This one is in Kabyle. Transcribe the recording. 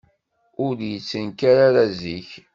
Ur d-yettenkar ara zik.